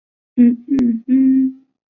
需要减速时须反向踩踏板。